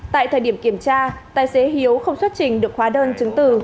tại thời điểm kiểm tra tài xế hiếu không xuất trình được hóa đơn chứng từ